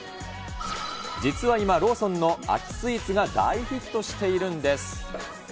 実は今、ローソンの秋スイーツが大ヒットしているんです。